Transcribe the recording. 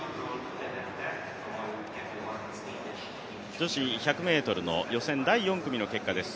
女子１００ｍの予選第４組の結果です。